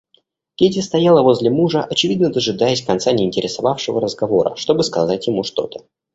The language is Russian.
Кити стояла возле мужа, очевидно дожидаясь конца неинтересовавшего разговора, чтобы сказать ему что-то.